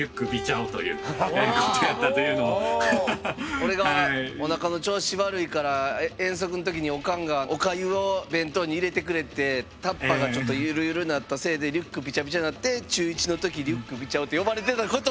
俺がおなかの調子悪いから遠足の時におかんがおかゆを弁当に入れてくれてタッパーがちょっとゆるゆるになったせいでリュックびちゃびちゃになって中１の時「リュックびちゃ男」と呼ばれてたことをここに。